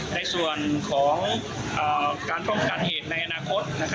ในส่วนของการป้องกันเหตุในอนาคต